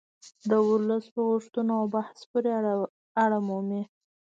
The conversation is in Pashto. د ولس په غوښتنو او بحث پورې اړه مومي